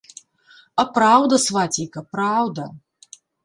А праўда, свацейка, праўда.